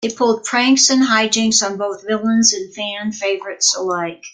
They pulled pranks and hijinks on both villains and fan favorites alike.